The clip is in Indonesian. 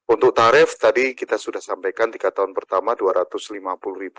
untuk tarif tadi kita sudah sampaikan tiga tahun pertama rp dua ratus lima puluh